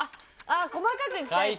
細かくいくタイプね。